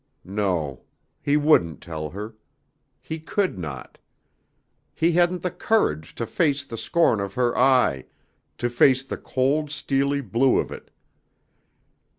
No. He wouldn't tell her. He could not. He hadn't the courage to face the scorn of her eye, to face the cold steely blue of it.